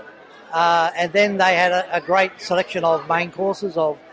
dan mereka juga memiliki banyak makanan utama